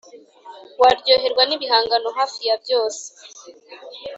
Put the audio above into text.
waryoherwa n’ibihangano hafi ya byose